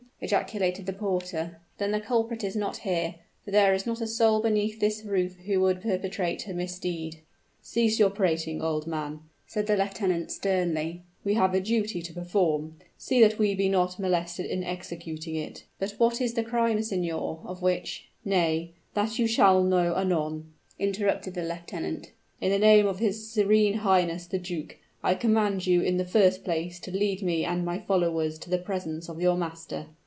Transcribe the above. ejaculated the porter; "then the culprit is not here for there is not a soul beneath this roof who would perpetrate a misdeed." "Cease your prating, old man," said the lieutenant, sternly. "We have a duty to perform see that we be not molested in executing it." "But what is the crime, signor, of which " "Nay that you shall know anon," interrupted the lieutenant. "In the name of his serene highness, the duke, I command you in the first place to lead me and my followers to the presence of your master."